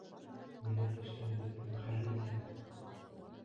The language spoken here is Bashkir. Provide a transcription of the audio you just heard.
Милләттәштәребеҙҙең хәле нисек?